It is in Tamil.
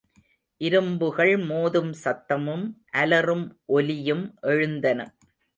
இரும்புகள் மோதும் சத்தமும், அலறும் ஒலியும் எழுந்தன.